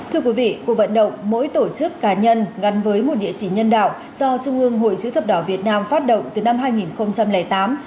thưa quý vị cuộc vận động mỗi tổ chức cá nhân gắn với một địa chỉ nhân đạo do trung ương hội chữ thập đỏ việt nam phát động từ năm hai nghìn tám